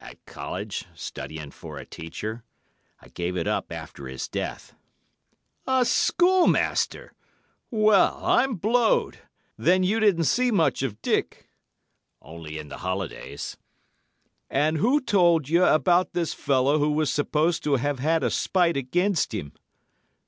"'At College, studying for a teacher. I gave it up after his death.' "'A schoolmaster! Well, I'm blowed. Then you didn't see much of Dick?' "'Only in the holidays.' "'And who told you about this fellow who was supposed to have had a spite against him?